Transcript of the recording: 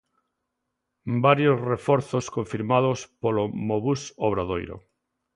Varios reforzos confirmados polo Mobus Obradoiro.